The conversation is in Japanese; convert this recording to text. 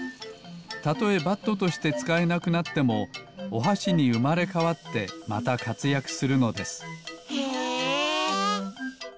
たとえバットとしてつかえなくなってもおはしにうまれかわってまたかつやくするのですへえ。